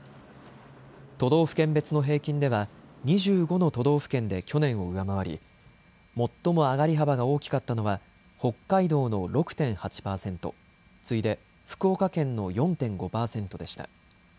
都道府県別の平均では２５の都道府県で去年を上回り最も上がり幅が大きかったのは北海道の６．８％、次いで福岡県の４．５％でした。